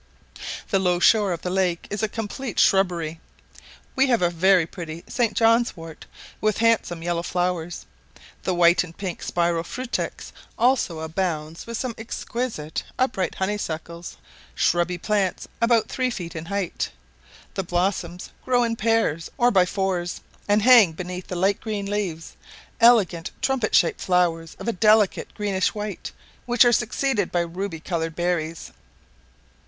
The low shore of the lake is a complete shrubbery. We have a very pretty St. John's wort, with handsome yellow flowers. The white and pink spiral frutex also abounds with some exquisite upright honeysuckles, shrubby plants about three feet in height; the blossoms grow in pairs or by fours, and hang beneath the light green leaves; elegant trumpet shaped flowers of a delicate greenish white, which are succeeded by ruby coloured berries.